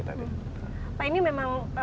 pak ini memang